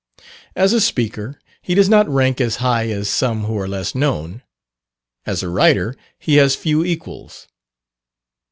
As a speaker, he does not rank as high as some who are less known; as a writer, he has few equals.